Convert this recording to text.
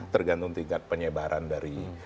tergantung tingkat penyebaran dari